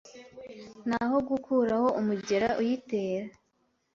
n'aho gukuraho umugera uyitera